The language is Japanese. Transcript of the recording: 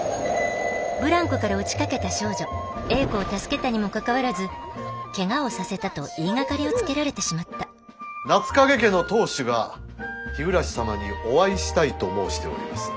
ブランコから落ちかけた少女英子を助けたにもかかわらずケガをさせたと言いがかりをつけられてしまった夏影家の当主が日暮様にお会いしたいと申しております。